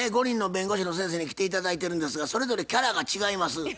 ５人の弁護士の先生に来て頂いてるんですがそれぞれキャラが違います。